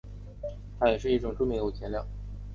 它也是一种著名的无机颜料。